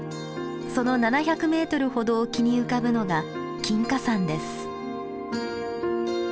その７００メートルほど沖に浮かぶのが金華山です。